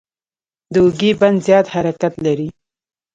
د اوږې بند زیات حرکت لري.